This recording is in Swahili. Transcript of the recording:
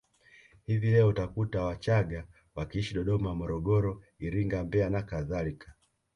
Hivi leo utakuta Wachagga wakiishi Dodoma Morogoro Iringa Mbeya na kadhalika